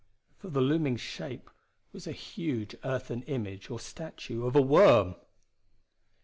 For the looming shape was a huge earthen image or statue of a worm!